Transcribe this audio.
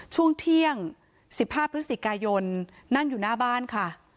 ช่วงเที่ยง๑๕พฤศจิกายนนั่งอยู่หน้าบ้านค่ะ